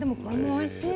おいしい。